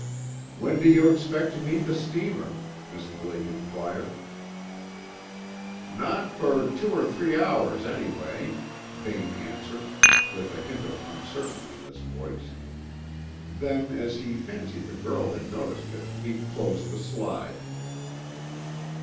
"When do you expect to meet the steamer?" Miss Blake inquired. "Not for two or three hours, anyway," Vane answered, with a hint of uncertainty in his voice. Then, as he fancied the girl had noticed it, he closed the slide.